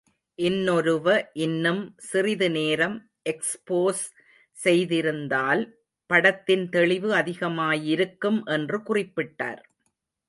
இன்னொருவ இன்னும் சிறிது நேரம் எக்ஸ்போஸ் செய்திருந்தால் படத்தின் தெளிவு அதிகமாயிருக்கும் என்று குறிப்பிட்டார்.